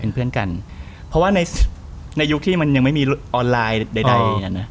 เพราะว่าในยุคที่มันยังไม่มีออนไลน์ใด